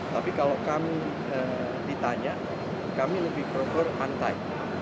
tapi kalau kami ditanya kami lebih prefer untight